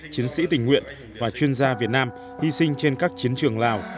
chiến sĩ tình nguyện và chuyên gia việt nam hy sinh trên các chiến trường lào